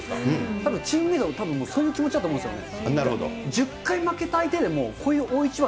たぶんチームメートもそういう気持ちだと思うんですよね。